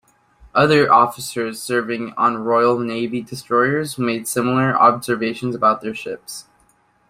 Other officers serving on Royal Navy destroyers made similar observations about their ships.